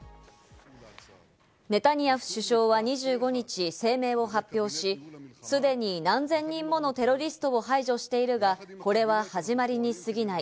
ネタニヤフ首相は２５日、声明を発表し、既に何千人ものテロリストを排除しているが、これは始まりに過ぎない。